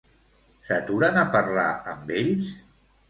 S'aturen a parlar amb ells?